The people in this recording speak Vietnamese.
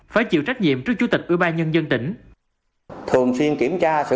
phải chịu trách nhiệm trước chủ tịch ubnd tỉnh